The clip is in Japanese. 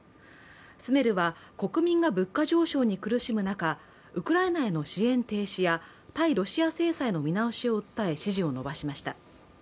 スメルは国民が物価上昇に苦しむ中、ウクライナへの支援停止や対ロシア制裁の見直しを訴え、支持を伸ばしました。